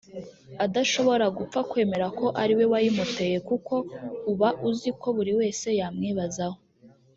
adashobora gupfa kwemera ko ari we wayimuteye kuko uba uzi ko buri wese yamwibazaho